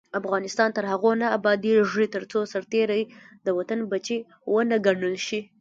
افغانستان تر هغو نه ابادیږي، ترڅو سرتیری د وطن بچی ونه ګڼل شي.